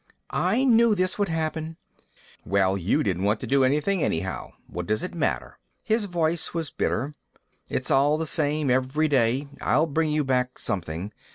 "I knew this would happen." "Well, you didn't want to do anything, anyhow. What does it matter?" His voice was bitter. "It's all the same, every day. I'll bring you back something.